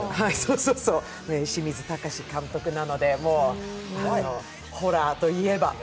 清水崇監督なので、ホラーといえば。